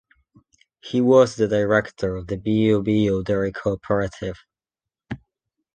He was the director of the Bío Bío Dairy Cooperative.